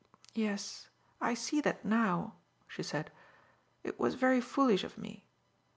"Yes, I see that now," she said. "It was very foolish of me.